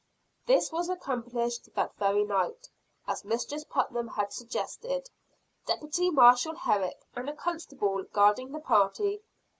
This was accomplished that very night, as Mistress Putnam had suggested; Deputy Marshall Herrick and a constable guarding the party.